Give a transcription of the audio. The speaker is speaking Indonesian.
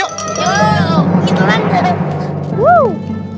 yuk gitu langsung